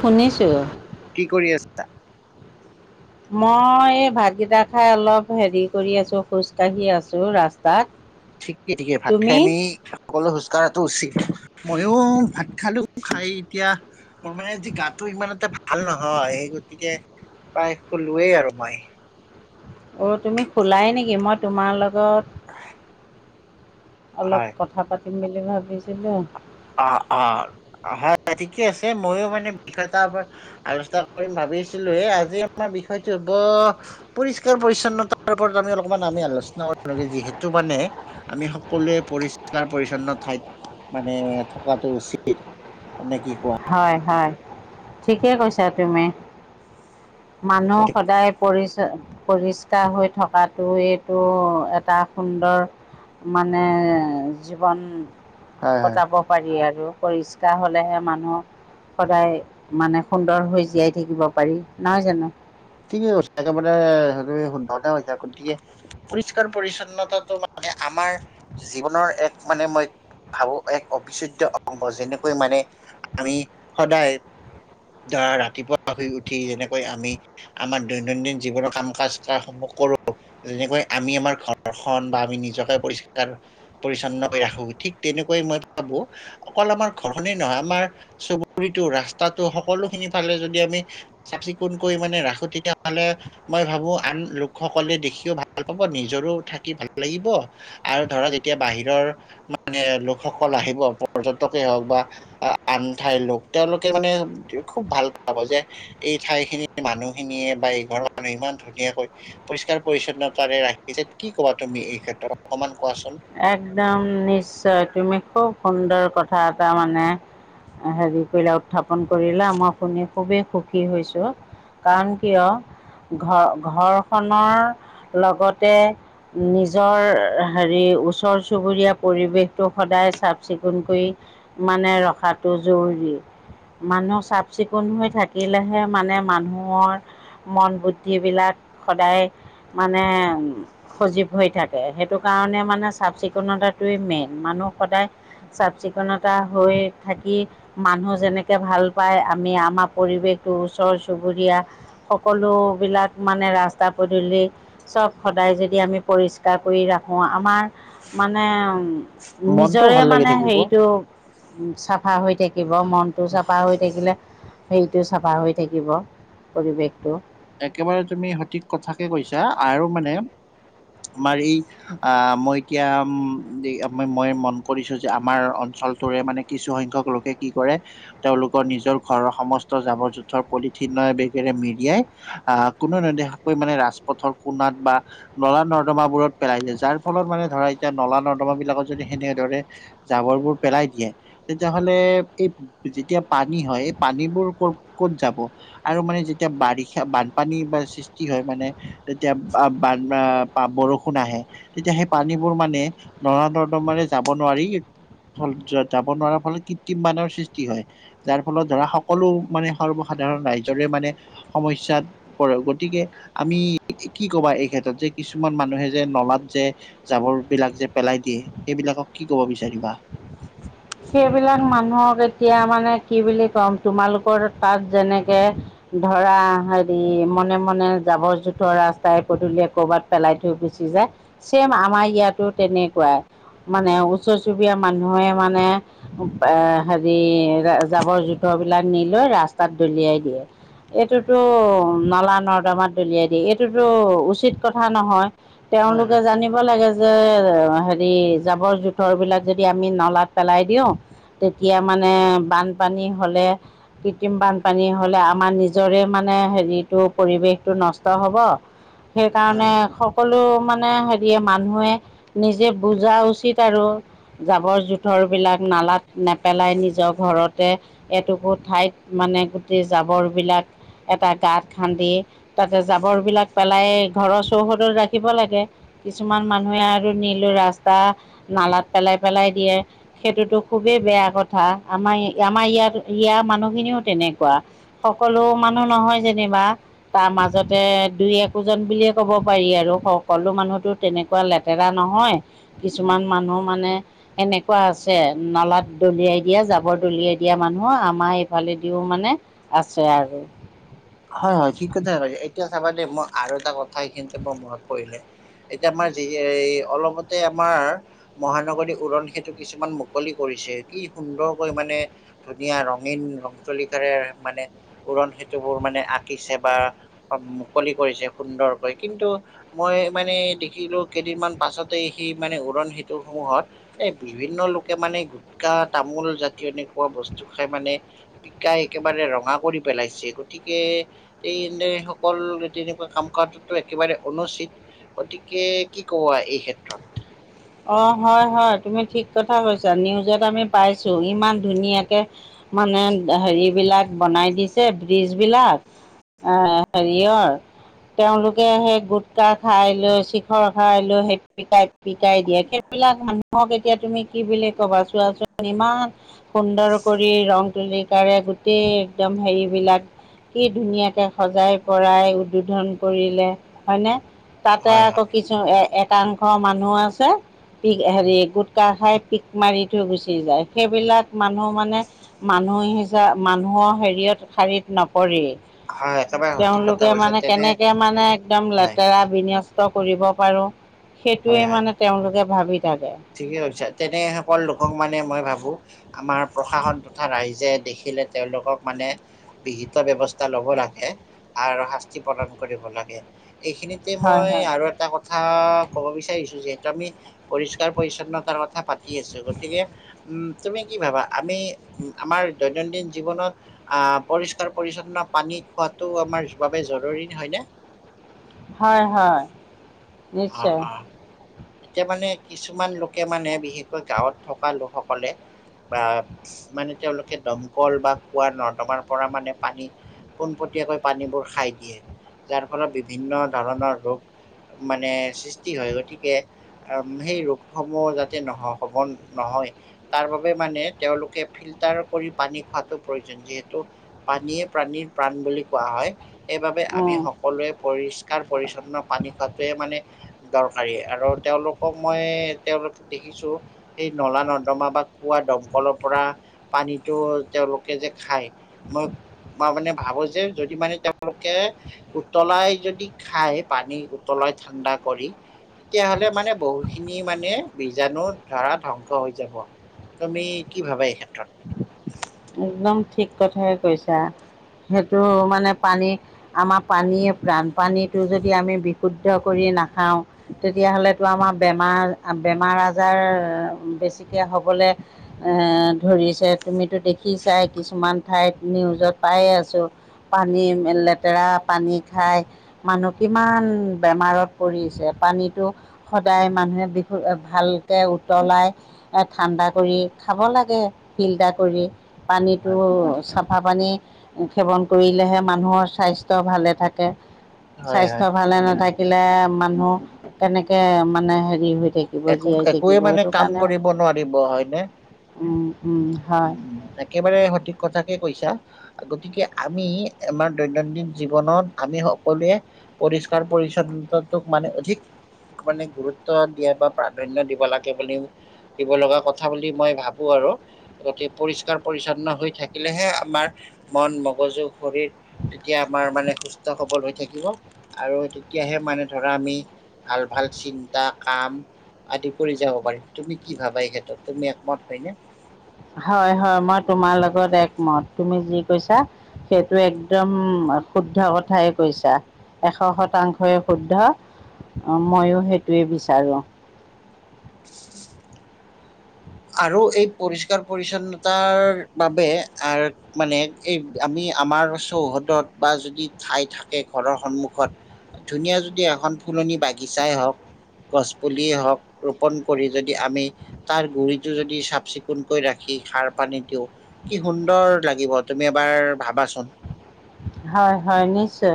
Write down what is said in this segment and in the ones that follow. শুনিছোঁ। কি কৰি আছিলা? মই এই ভাতকেইটা খাই অলপ হেৰী কৰি আছোঁ খোজ কাঢ়ি আছোঁ ৰাস্তাত। ঠিকে ঠিকে ভাত খাই তুমি আমি সকলো খোজ কাঢ়াটো উচিত। ময়ো ভাত খালো খাই এতিয়া মোৰ মানে আজি গাটো ইমান এটা ভাল নহয় সেই গতিকে প্ৰায় শুলোৱেই আৰু মই। অঁ তুমি শুলাই নেকি? মই তোমাৰ লগত অলপ হয় কথা পাতিম বুলি ভাবিছিলো। অঁ অঁ অঁ হয় ঠিকে আছে ময়ো মানে বিষয় এটা ওপৰত আলোচনা কৰিম ভাবিছিলোৱে। আজি আমাৰ বিষয়টো হ'ব পৰিষ্কাৰ পৰিছন্নতাৰ ওপৰত আমি অলপমান আমি আলোচনা কৰোঁ যিহেতু মানে আমি সকলোৱে পৰিষ্কাৰ পৰিচ্ছন্ন ঠাইত মানে থকাটো উচিত নে কি কোৱা হয় হয় ঠিকে কৈছা তুমি মানুহ সদায় পৰি পৰিষ্কাৰ হৈ থকাটো এইটো এটা সুন্দৰ মানে জীৱন হয় হয়। কটাব পাৰি আৰু পৰিস্কাৰ হলেহে মানুহ সদায় মানে সুন্দৰ হৈ জীয়াই থাকিব পাৰি নহয় জানো ঠিকে কৈছা একেবাৰে তুমি শুদ্ধকে কৈছা গতিকে পৰিষ্কাৰ পৰিচ্ছন্নতাটো মানে আমাৰ জীৱনৰ এক মানে মই ভাবো এক অবিচ্ছেদ্য অংগ যেনেকৈ মানে আমি সদায় ধৰা ৰাতিপুৱা শুই উঠি যেনেকৈ আমি আমাৰ দৈনন্দিন জীৱনৰ কাম কাজ কাৰ সমূহ কৰো যেনেকৈ আমি আমাৰ ঘৰখন বা আমি নিজকে পৰিষ্কাৰ পৰিচ্ছন্ন কৰি ৰাখো ঠিক তেনেকৈ মই ভাবো অকল আমাৰ ঘৰনে নহয় আমাৰ চুবুৰীটো ৰাস্তাটো সকলো খিনি ফালে যদি আমি চাফ চিকুণকৈ মানে ৰাখো তেতিয়াহলে মই ভাবো আন লোকসকলে দেখিও ভাল পাব নিজৰো থাকি ভাল লাগিব আৰু ধৰা এতিয়া বাহিৰৰ মানে লোকসকল আহিব পৰ্যটকেই হওক বা আন ঠাইৰ লোক তেওঁলোকে মানে খুব ভাল পাব যে এই ঠাইখিনি মানুহখিনিয়ে বা এইঘৰৰ মানুহে ইমান ধুনীয়াকৈ পৰিষ্কাৰ পৰিচ্ছন্নতাৰে ৰাখিছে কি ক'বা তুমি এই ক্ষেত্ৰত অকমান কোৱাচোন? একদম নিশ্চয় তুমি খুব সুন্দৰ কথা এটা মানে হেৰি কৰিলা উত্থাপন কৰিলা মই শুনি খুবেই সুখী হৈছো কাৰণ কিয় ঘৰ ঘৰখনৰ লগতে নিজৰ হেৰি ওচৰ চুবুৰীয়া পৰিৱেশটো সদায় চাফ চিকুণ কৈ মানে ৰখাটো জৰুৰী মানুহ চাফ চিকুণ হৈ থাকিলেহে মানে মানুহৰ মন বুদ্ধি বিলাক সদায় মানে সজীৱ হৈ থাকে সেইটো কাৰণে মানে চাফ চিকুণতাটোৱেই মেইন মানুহ সদায় চাফ চিকুণতা হৈ থাকি মানুহ যেনেকে ভাল পায় আমি আমাৰ পৰিৱেশটো ওচৰ চুবুৰীয়া সকলোবিলাক মানে ৰাস্তা পদূলি চব সদায় যদি আমি পৰিষ্কাৰ কৰি ৰাখো আমাৰ মানে মনটো নিজৰে ভাল লাগি মানে থাকিব হেৰিটো উ চাফা হৈ থাকিব মনটো চাফা হৈ থাকিলে হেৰিটো চাফা হৈ থাকিব পৰিৱেশটো একেবাৰে তুমি সঠিক কথাকে কৈছা আৰু মানে আমাৰ এই অ মই এতিয়া উ মই মন কৰিছো যে আমাৰ অঞ্চলটোৰে মানে কিছুসংখ্যক লোকে কি কৰে তেওঁলোকৰ নিজৰ ঘৰৰ সমস্ত জাবৰ জোঁথৰ পলিথিনৰ বেগেৰে মেৰিয়াই আহ কোনোও নেদেখাকৈ মানে ৰাজপথৰ কোণাত বা নলা নৰ্দমাবোৰত পেলাই যায় যাৰ ফলত মানে ধৰা এতিয়া নলা নৰ্দমা বিলাকত যদি সেনে দৰে জাবৰবোৰ পেলাই দিয়ে তেতিয়া হলে এই যেতিয়া পানী হয় এই পানীবোৰ কত ক'ত যাব আৰু মানে যেতিয়া বাৰিষা বানপানী বা সৃষ্টি হয় মানে তেতিয়া বান আ বৰষুণ আহে। তেতিয়া সেই পানীবোৰ মানে নৰা নৰ্দমাৰে যাব নোৱাৰি। ফলত যাব নোৱাৰাৰ ফলত কৃত্ৰিম বানৰ সৃষ্টি হয় যাৰ ফলত ধৰা সকলো মানে সৰ্বসাধাৰণ ৰাইজৰে মানে সমস্যাত পৰে গতিকে আমি কি কবা এই ক্ষেত্ৰত যে কিছুমান মানুহে যে নলাত যে জাবৰ বিলাক যে পেলাই দিয়ে সেইবিলাকক কি কব বিচাৰিবা? সেইবিলাক মানুহক এতিয়া মানে কি বুলি ক'ম তোমালোকৰ তাত যেনেকে। ধৰা হেৰি মনে মনে জাবৰ জোথৰ ৰাস্তাই পধূলিয়ে কৰবাত পেলাই থৈ গুচি যায় ছেম আমাৰ ইয়াতো তেনেকুৱাই। মানে ওচৰ চুবুৰীয়া মানুহে মানে। এ হেৰি জাবৰ জোথৰ বিলাক নি লৈ ৰাস্তাত দলিয়াই দিয়ে। হয় এইটোতো নলা নৰ্দমাত দলিয়াই দিয়ে এইটোতো উচিত কথা নহয় হয় তেওঁলোকে হয় জানিব। জানিব লাগে যে হেৰি জাবৰ জোথৰ বিলাক যদি আমি নলাত পেলাই দিওঁ। দিওঁ তেতিয়া মানে বানপানী হ'লে। কৃত্ৰিম বানপানী হ'লে, আমাৰ নিজৰে মানে হেৰিটো পৰিৱেশটো নষ্ট হ'ব। [unintelligible] সেইকাৰণে সকলো মানে হেৰিয়ে মানুহে নিজে বুজা উচিত আৰু। জাবৰ জোথৰবিলাক নালাত নেপেলাই নিজৰ ঘৰতে। এটুকুৰ ঠাইত মানে গোটেই জাবৰবিলাক এটা গাঁত খান্দি। তাতে জাবৰ বিলাক পেলাই ঘৰৰ চৌহদ ৰাখিব লাগে। কিছুমান মানুহে আৰু নিলো ৰাস্তা নালাত পেলাই পেলাই দিয়ে। সেইটোতো খুবেই বেয়া কথা আমাৰ আমাৰ ইয়াত ইয়াৰ মানুহখিনিও তেনেকুৱা। সকলো মানুহ নহয় যেনিবা। তাৰ মাজতে দুই একোজন বুলিয়ে ক'ব পাৰি আৰু সকলো মানুহতো- তেনেকুৱা লেতেৰা নহয় কিছুমান মানুহ মানে এনেকুৱা আছে। নলাত দলিয়াই দিয়া জাবৰ দলিয়াই দিয়া মানুহ আমাৰ এইফালেদিও মানে- আছে আৰু। হয় হয় ঠিক কথা কৈ, এতিয়া চাবা দেই মই আৰু এটা কথা এইখিনিতে মোৰ মনত পৰিলে। এতিয়া আমাৰ যি এই অলপতে আমাৰ মহানগৰী উৰণ সেইটো কিছুমান মুকলি কৰিছে কি সুন্দৰকৈ মানে। ধুনীয়া ৰঙীন ৰং তুলিকাৰে মানে উৰণ সেতুবোৰ মানে আঁকিছে বা মুকলি কৰিছে সুন্দৰকৈ কিন্তু। মই মানে দেখিলো কেইদিনমান পাছতে সি মানে উৰণ সেতু সমূহত। এ বিভিন্ন লোকে মানে গুটখা তামোল জাতীয় এনেকুৱা বস্তু খাই মানে। পিকাই একেবাৰে ৰঙা কৰি পেলাইছে গতিকে। এই সকল তেনেকুৱা কাম কৰাটোত একেবাৰে অনুচিত। গতিকে কি কবা এই ক্ষেত্ৰত। অ' হয় হয় তুমি ঠিক কথা কৈছা নিউজত আমি পাইছো ইমান ধুনীয়াকে- মানে হেৰিবিলাক বনাই দিছে ব্ৰিজবিলাক- এ হেৰিয়ৰ। তেওঁলোকে সেই গুটকা খাই লৈ চিখৰ খাই লৈ সেপিকাই- পিকাই দিয়ে সেইবিলাক মানুহক এতিয়া তুমি কি বুলি কবা চোৱাচোন ইমান- সুন্দৰ কৰি ৰং তুলিকাৰে গোটেই একদম হেৰিবিলাক- কি ধুনীয়াকৈ সজাই পৰাই উদ্বোধন কৰিলে হয়নে। তাতে হয় আকৌ হয় কিছু এ একাংশ মানুহ আছে। পিক উম, হেৰি গোটকা খাই পিক মাৰি থৈ গুচি যায় সেইবিলাক মানুহ মানে। মানুহ হিচা মানুহৰ হেৰিয়ত শাৰীত নপৰে। হয় একেবাৰে সঠিক কথা তেওঁলোকে কৈছে মানে তেনে কেনেকে মানে একদম হয় লেতেৰা- বিনষ্ট কৰিব পাৰোঁ সেইটোৱেই মানে তেওঁলোকে ভাবি থাকে। ঠিকেই কৈছা। তেনে সকল লোকক মানে মই ভাবো আমাৰ প্ৰশাসন তথা ৰাইজে দেখিলে তেওঁলোকক মানে বিহিত ব্যৱস্থা লব লাগে। আৰু শাস্তি প্ৰদান কৰিব লাগে এইখিনিত- হয় মই হয় আৰু এটা কথা ক'ব বিচাৰিছো যিহেতু আমি- কাৰ পৰিচছন্নতাৰ কথা পাতি আছো গতিকে উম- তুমি কি ভাবা আমি আমাৰ দৈনন্দিন জীৱনত- আহ পৰিষ্কাৰ পৰিচ্ছন্ন পানী খোৱাতটো আমাৰ বাবে জৰুৰী হয়নে? হয় হয় অ নিশ্চয়। অ এতিয়া মানে কিছুমান লোকে মানে বিশেষকৈ গাঁৱত থকা লোকসকলে বা মানে তেওঁলোকে দমকল বা খোৱা নৰ্দমাৰ পৰা মানে পানী পোনপটীয়াকৈ পানীবোৰ খাই দিয়ে। যাৰ ফলত বিভিন্ন ধৰণৰ ৰোগ মানে সৃষ্টি হয়। গতিকে আৰু সেই ৰোগসমূহ যাতে নহয় হবল নহয়, তাৰ বাবে মানে তেওঁলোকে ফিল্টাৰ কৰি পানী খোৱাতটো প্ৰয়োজন। যিহেতু পানীয়ে প্ৰাণীৰ প্ৰাণ বুলি কোৱা হয়। সেইবাবে আমি উম, সকলোৱে পৰিষ্কাৰ পৰিচ্ছন্ন পানী খোৱাটোৱে মানে দৰকাৰী আৰু তেওঁলোকক মই তেওঁলোকে দেখিছো সেই নলা নৰ্দমা বা কুৱা দমকলৰ পৰা পানীতটো তেওঁলোকে যে খায় মই মই মানে ভাবো যে যদি মানে তেওঁলোকে উতলাই যদি খায় পানী- তললৈ ঠাণ্ডা কৰি তেতিয়াহলে মানে বহু খিনি মানে বীজাণু ধৰা ধ্বংস হৈ যাব। তুমি কি ভাবা এই ক্ষেত্ৰত? একদম ঠিক কথাই কৈছা। সেইটো মানে পানী আমাৰ পানীয়ে প্ৰাণ পানীটো যদি আমি বিশুদ্ধ কৰি নাখাওঁ, তেতিয়াহলেতো আমাৰ বেমাৰ বেমাৰ আজাৰ বেছিকে হবলে ধৰিছে তুমিতো দেখিছাই কিছুমান ঠাইত নিউজত পায়ে আছোঁ। পানী লেতেৰা পানী খাই মানুহ কিমান বেমাৰত পৰিছে, পানীটো সদায় মানুহে বিষো ভালকে উতলাই এ ঠাণ্ডা কৰি খাব লাগে ফিল্টাৰ কৰি পানীতটো হয় চা ফা পানী সেৱন কৰিলেহে মানুহৰ স্বাস্থ্য ভালে থাকে। হয় স্বাস্থ্য হয় ভালে নাথাকিলে মানুহ কেনেকে মানে হেৰি হৈ থাকিব। একো জীয়াই একোৱে থাকিব মানে সেইটো কাম কাৰণে কৰিব নোৱাৰিব হয়নে। উম উম। উম হয় উম একেবাৰে সঠিক কথাকে কৈছা। গতিকে আমি আমাৰ দৈনন্দিন জীৱনত আমি সকলোৱে পৰিষ্কাৰ পৰিচ্ছন্নতাটোক মানে অধিক মানে গুৰুত্ব দিয়া বা প্ৰাধান্য দিব লাগে বুলি দিব লগা কথা বুলি মই ভাবো আৰু। অতি পৰিষ্কাৰ পৰিচ্ছন্ন হৈ থাকিলেহে আমাৰ মন, মগজু, শৰীৰ, তেতিয়া আমাৰ মানে সুস্থ সবল হৈ থাকিব আৰু তেতিয়াহে মানে ধৰা আমি ভাল ভাল চিন্তা কাম আদি কৰি যাব পাৰিম। তুমি কি ভাবা এই ক্ষেত্ৰত তুমি একমত হয়নে? হয় হয় মই তোমাৰ লগত একমত তুমি যি কৈছা, সেইটো একদম শুদ্ধ কথাই কৈছা। এশ শতাংশই শুদ্ধ ময়ো সেইটোৱে বিচাৰোঁ। [inaudible] আৰু এই পৰিষ্কাৰ পৰিচ্ছন্নতাৰ বাবে আৰ মানে এই আমি আমাৰ চৌহদত বা যদি ঠাই থাকে ঘৰৰ সন্মুখত ধুনীয়া যদি এখন ফুলনি বাগিচাই হওক। গছপুলিয়েই হওক ৰোপণ কৰি যদি আমি তাৰ গুৰিত টো যদি চাফ চিকুণকৈ ৰাখি সাৰ পানী দিওঁ, কি সুন্দৰ লাগিব তুমি এবাৰ ভাবাচোন। হয় হয় নিশ্চয়।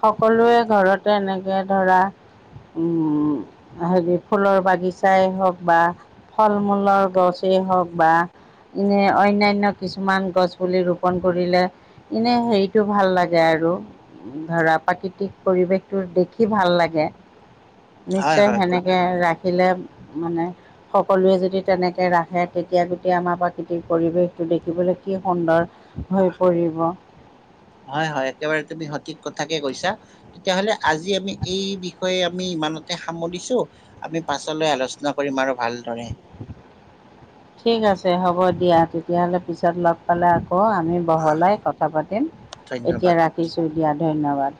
সকলোৱে ঘৰতে এনেকে ধৰা। উম হেৰি ফুলৰ বাগিচাই হওক বা ফল মূলৰ গছেই হওক বা এনে অন্যান্য কিছুমান গছ পুলি ৰোপণ কৰিলে এনেই হেৰিটো ভাল লাগে আৰু। ধৰা প্ৰাকৃতিক পৰিৱেশটো দেখি ভাল লাগে হয় নিশ্চয় হয় ক- সেনেকে ৰাখ- সিলে মানে। সকলোৱে যদি তেনেকৈ ৰাখে তেতিয়া গোটেই আমাৰ প্ৰাকৃতিক পৰিৱেশটো দেখিবলৈ কি সুন্দৰ হৈ পৰিব। হয় হয় একেবাৰে তুমি সঠিক কথাকে কৈছা। তেতিয়া হ'লে আজি আমি এই বিষয়ে আমি ইমানতে সামৰিছো। আমি পাছলৈ আলোচনা কৰিম আৰু ভালদৰে। ঠিক আছে হ'ব দিয়া তেতিয়াহলে পিছত লগ পালে আকৌ আমি আহ বহলাই কথা পাতিম ধন্যবাদ এতিয়া ৰাখিছোঁ দিয়া ধন্যবাদ।